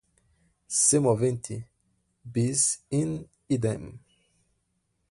semoventes, bis in idem